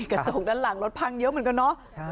กระจกด้านหลังรถพังเยอะเหมือนกันเนอะ